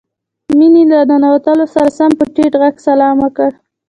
مينې له ننوتو سره سم په ټيټ غږ سلام وکړ.